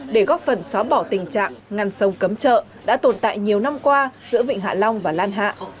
để bỏ tình trạng ngăn sông cấm trợ đã tồn tại nhiều năm qua giữa vịnh hạ long và lan hạ